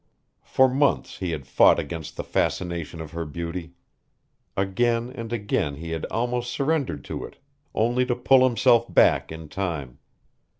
For months he had fought against the fascination of her beauty. Again and again he had almost surrendered to it, only to pull himself back in time.